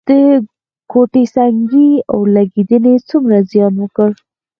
د کوټه سنګي اورلګیدنې څومره زیان وکړ؟